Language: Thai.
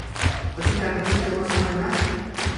ขอชุดแดงกับชุดเขียวมาส่งด้วยนะ